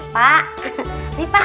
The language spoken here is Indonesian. pak ini pak